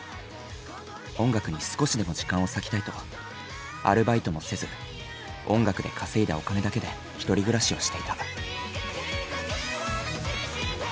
音楽に少しでも時間を割きたいとアルバイトもせず音楽で稼いだお金だけで１人暮らしをしていた。